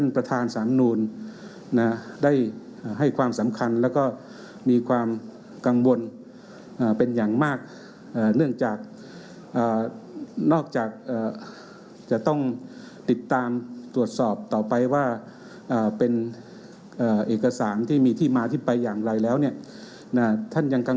กระทบไปถึงผู้เกี่ยวข้องไฟต่าง